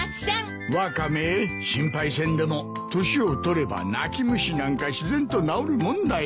ワカメ心配せんでも年を取れば泣き虫なんか自然と直るもんだよ。